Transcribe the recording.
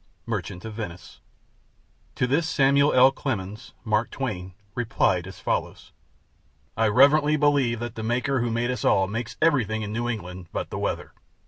Merchant of Venice. To this Samuel L. Clemens (Mark Twain) replied as follows: I reverently believe that the Maker who made us all makes everything in New England but the weather.